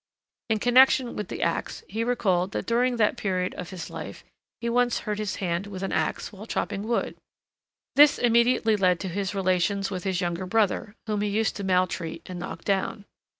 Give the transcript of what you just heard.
In connection with the ax he recalled that during that period of his life he once hurt his hand with an ax while chopping wood. This immediately led to his relations with his younger brother, whom he used to maltreat and knock down.